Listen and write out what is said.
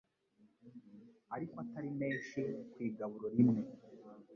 ariko atari menshi ku igaburo rimwe.